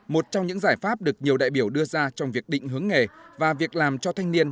một trong những giải pháp được nhiều đại biểu đưa ra trong việc định hướng nghề và việc làm cho thanh niên